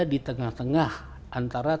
di tengah tengah antara